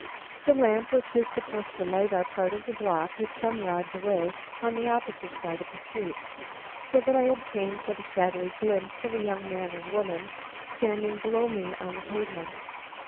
The lamp which is supposed to light our part of the block is some rods away on the opposite side of the street, so that I obtained but a shadowy glimpse of a young man and woman standing below me on the pavement.